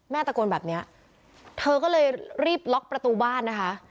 ตะโกนแบบนี้เธอก็เลยรีบล็อกประตูบ้านนะคะ